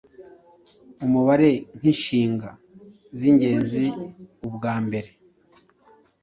umubare nkinshinga zingenzi Ubwa mbere